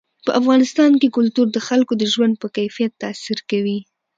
په افغانستان کې کلتور د خلکو د ژوند په کیفیت تاثیر کوي.